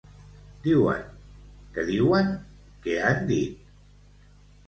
Diuen, que diuen, que han dit.